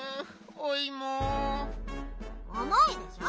「おもい」でしょ！